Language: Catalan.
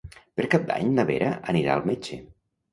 Per Cap d'Any na Vera anirà al metge.